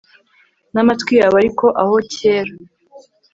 n'amatwi yawe. ariko aho cyera